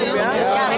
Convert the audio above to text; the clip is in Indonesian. terima kasih pak